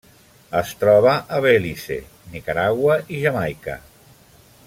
Es troba a Belize, Nicaragua i Jamaica.